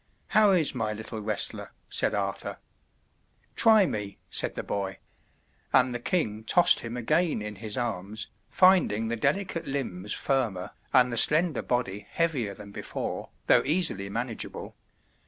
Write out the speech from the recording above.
"How is my little wrestler?" said Arthur. "Try me," said the boy; and the king tossed him again in his arms, finding the delicate limbs firmer, and the slender body heavier than before, though easily manageable.